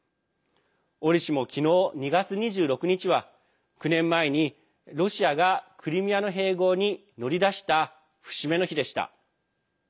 折しも、昨日２月２６日は９年前にロシアがクリミアの併合に乗り出した節目の日でした。